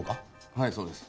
はいそうです。